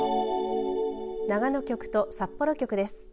長野局と札幌局です。